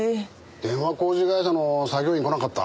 電話工事会社の作業員来なかった？